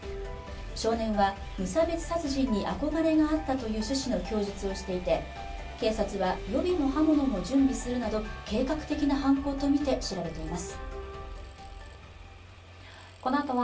少年は無差別殺人に憧れがあったという趣旨の供述をしていて警察は予備の刃物も準備するなど計画的な犯行とみて調べています。